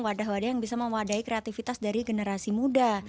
wadah wadah yang bisa mewadahi kreativitas dari generasi muda